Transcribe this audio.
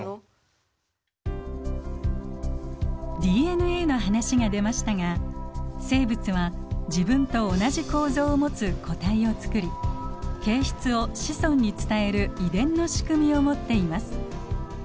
ＤＮＡの話が出ましたが生物は自分と同じ構造を持つ個体をつくり形質を子孫に伝える遺伝の仕組みを持っています。